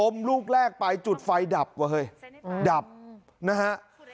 ลูกแรกไปจุดไฟดับว่ะเฮ้ยดับนะฮะ